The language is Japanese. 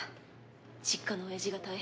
「“実家のおやじが大変だ。